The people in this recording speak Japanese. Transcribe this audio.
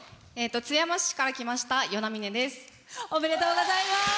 津山市から来ましたよなみねです。